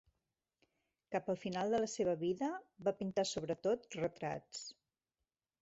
Cap al final de la seva vida, va pintar sobretot retrats.